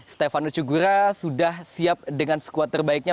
stefano cugura sudah siap dengan squad terbaiknya